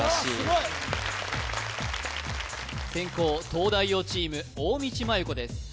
すごい先攻東大王チーム大道麻優子です